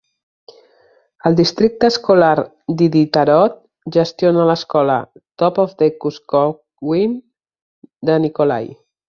El districte escolar d'Iditarod gestiona l'escola Top of the Kuskokwim de Nikolai.